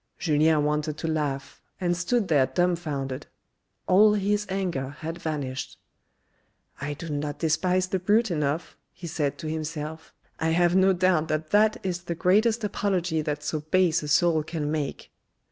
Julien wanted to laugh, and stood there dumbfounded. All his anger had vanished. " I do not despise the brute enough," he said to himself. " I have no doubt that that is the greatest apology that so base a soul can make."